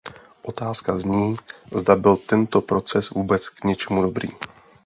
Otázka zní, zda byl tento proces vůbec k něčemu dobrý.